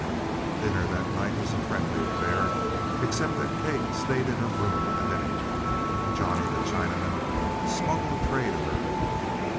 Dinner that night was a friendly affair, except that Kate stayed in her room with a headache. Johnny the Chinaman smuggled a tray to her.